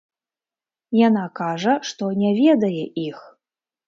Яна кажа, што не ведае іх.